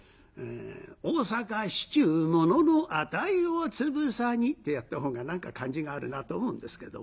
大坂市中物の値をつぶさにってやった方が何か感じがあるなと思うんですけどもね。